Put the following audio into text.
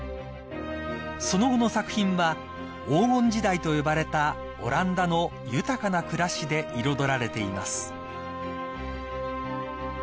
［その後の作品は黄金時代と呼ばれたオランダの豊かな暮らしで彩られています］